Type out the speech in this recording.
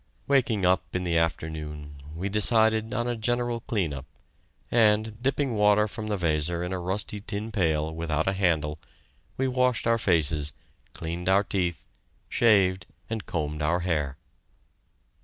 Waking up in the afternoon, we decided on a general clean up, and, dipping water from the Weser in a rusty tin pail without a handle, we washed our faces, cleaned our teeth, shaved, and combed our hair.